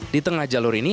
di tengah jalur ini